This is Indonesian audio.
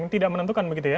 tidak menentukan begitu ya